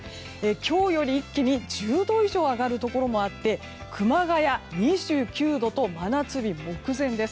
今日より一気に１０度以上上がるところもあって熊谷、２９度と真夏日目前です。